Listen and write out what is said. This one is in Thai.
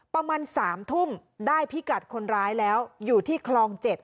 ประมาณ๓ทุ่มได้พิกัดคนร้ายแล้วอยู่ที่คลอง๗